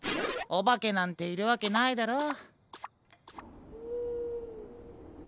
おばけなんているわけないだろ？